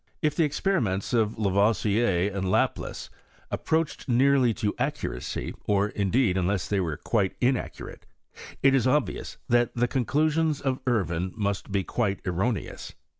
If the ex leriments of Lavoisier and Laplace approached learly to accuracy, or, indeed, unless they were [uite inaccurate, it is obvious that the conclusions ti Irvine must be quite erroneous.